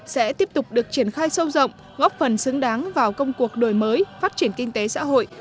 sẽ tiếp tục được triển khai sâu rộng góp phần xứng đáng vào công cuộc đổi mới phát triển kinh tế xã hội